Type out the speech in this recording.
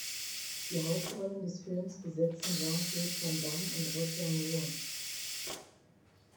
Die Hauptrollen des Filmes besetzen Jean-Claude Van Damme und Roger Moore.